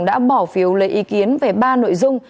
đã bỏ phiếu lấy ý kiến về ba nội dung